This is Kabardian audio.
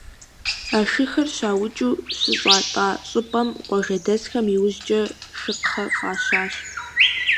А шыхэр щаукӏыу щыщӏатӏа щӏыпӏэм къуажэдэсхэм иужькӏэ «Шыкхъэ» фӏащащ.